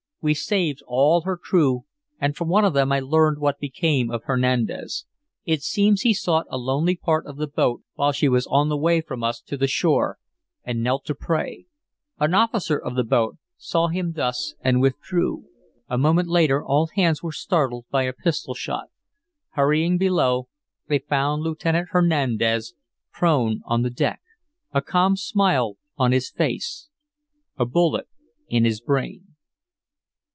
We saved all her crew and from one of them I learned what became of Hernandez. It seems he sought a lonely part of the boat while she was on the way from us to the shore, and knelt to pray. An officer of the boat saw him thus and withdrew. A moment later all hands were startled by a pistol shot. Hurrying below they found Lieutenant Hernandez prone on the deck, a calm smile on his face, a bullet in his brain."